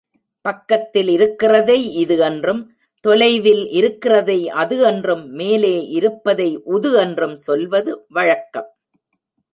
பக்கத்தில் இருக்கிறதை இது என்றும், தொலைவில் இருக்கிறதை அது என்றும், மேலே இருப்பதை உது என்றும் சொல்வது வழக்கம்.